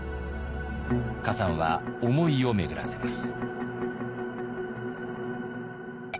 崋山は思いを巡らせます。